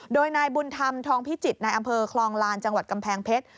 โดยนายบุญธรรมทองพิจิตรในอำเภอคลองลานจังหวัดกำแพงเพชร